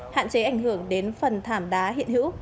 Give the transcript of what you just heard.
hạn chế ảnh hưởng đến phần thảm đá hiện hữu